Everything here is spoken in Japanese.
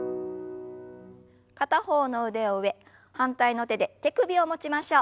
片方の腕を上反対の手で手首を持ちましょう。